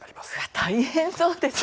大変そうですね。